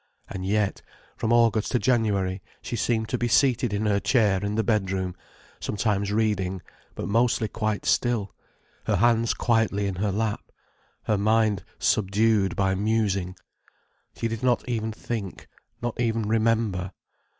And yet, from August to January, she seemed to be seated in her chair in the bedroom, sometimes reading, but mostly quite still, her hands quietly in her lap, her mind subdued by musing. She did not even think, not even remember.